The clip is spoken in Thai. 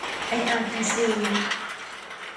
ไออาร์พีซี